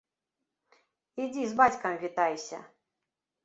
Ідзі з бацькам вітайся.